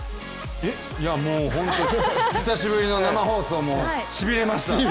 えっ、いやもう本当に久しぶりな生放送もしびれました。